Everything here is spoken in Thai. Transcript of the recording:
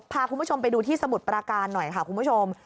พาคุณผู้ชมไปดูที่สมุทรปราการหน่อยค่ะคุณผู้ชม